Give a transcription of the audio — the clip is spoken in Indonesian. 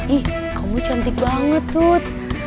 ih kamu cantik banget tuh